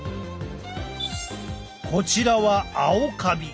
こちらはアオカビ。